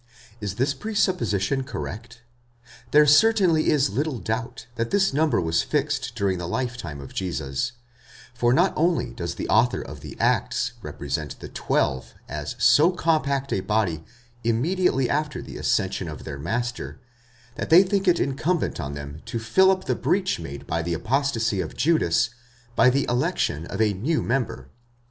Is this presupposition cor rect? There certainly is little doubt that this number was fixed during the life time of Jesus; for not only does the author of the Acts represent the twelve as so compact a body immediately after the ascension of their master, that they think it incumbent on them to fill up the breach made by the apostasy of Judas by the election of a new member (i.